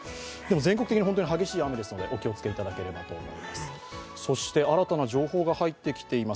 全国的に本当に激しい雨ですので、お気をつけいただければと思います。